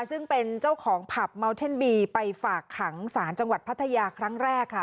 ซึ่งเป็นเจ้าของผับเมาเท่นบีไปฝากขังศาลจังหวัดพัทยาครั้งแรกค่ะ